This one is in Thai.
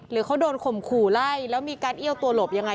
เขาโดนข่มขู่ไล่แล้วมีการเอี้ยวตัวหลบยังไง